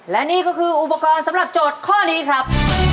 และนี่ก็คืออุปกรณ์สำหรับโจทย์ข้อนี้ครับ